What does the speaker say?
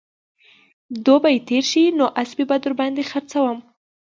دوبى تېر شي نو اسپې به در باندې خرڅوم